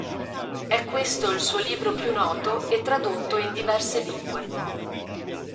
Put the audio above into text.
È questo il suo libro più noto e tradotto in diverse lingue.